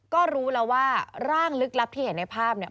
ก็รู้แล้วว่าร่างลึกลับที่เห็นในภาพเนี่ย